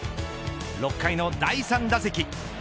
６回の第３打席。